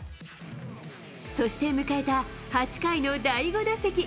そして迎えた８回の第５打席。